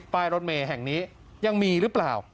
รถเมย์แห่งนี้ยังมีหรือเปล่า